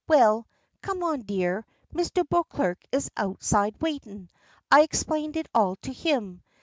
Well come on, dear. Mr. Beauclerk is outside waitin'. I explained it all to him.